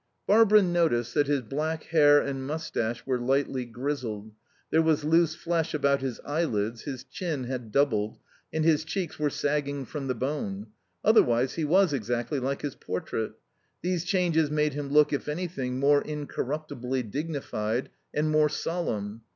Barbara noticed that his black hair and moustache were lightly grizzled, there was loose flesh about his eyelids, his chin had doubled, and his cheeks were sagging from the bone, otherwise he was exactly like his portrait; these changes made him look, if anything, more incorruptibly dignified and more solemn.